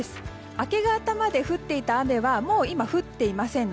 明け方まで降っていた雨はもう今、降っていません。